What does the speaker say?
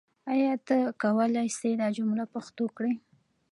آیا ته کولای سې دا جمله پښتو کړې؟